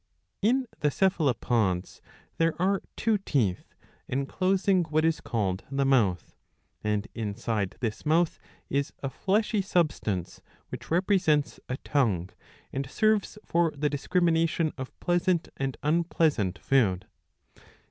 In the Cephalopods there are two teeth,* enclosing what is called the mouth ; and inside this mouth is a fleshy substance, which represents a tongue and serves for the discrimination of pleasant and unpleasant food.